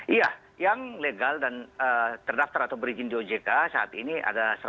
iya yang legal dan terdaftar atau berizin di ojk saat ini ada satu ratus lima puluh